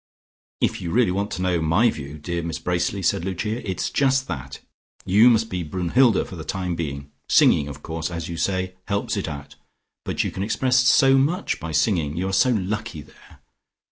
"If you really want to know my view, dear Miss Bracely," said Lucia, "it's just that. You must be Brunnhilde for the time being. Singing, of course, as you say, helps it out: you can express so much by singing. You are so lucky there.